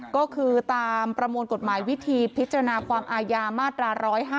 ก็คือตามประมวลกฎหมายวิธีพิจารณาความอาญามาตรา๑๕